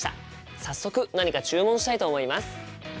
早速何か注文したいと思います！